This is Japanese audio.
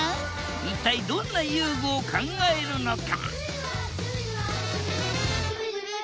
一体どんな遊具を考えるのか？